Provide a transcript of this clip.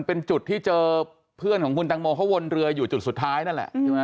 เป็นจุดที่เจอเพื่อนของคุณตังโมเขาวนเรืออยู่จุดสุดท้ายนั่นแหละใช่ไหม